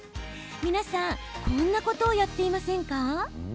皆さん、こんなことをやっていませんか？